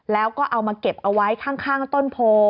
แล้วก็เอามาเก็บเอาไว้ข้างต้นโพ